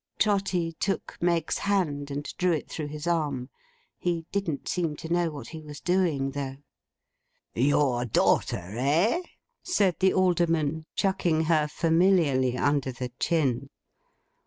Trotty took Meg's hand and drew it through his arm. He didn't seem to know what he was doing though. 'Your daughter, eh?' said the Alderman, chucking her familiarly under the chin.